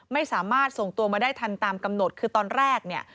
ไม่สามารถส่งตัวมาได้ทันตามกำหนดคือตอนแรกเนี่ย